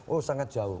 oh sangat jauh